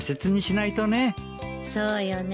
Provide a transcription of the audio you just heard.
そうよね。